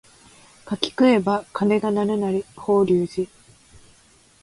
柿食えば鐘が鳴るなり法隆寺